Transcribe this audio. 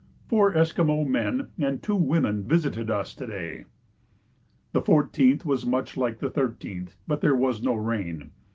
Four Esquimaux men and two women visited us to day. The 14th was much like the 13th, but there was no rain.